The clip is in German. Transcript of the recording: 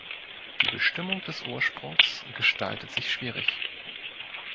Die Bestimmung des Ursprungs gestaltet sich schwierig.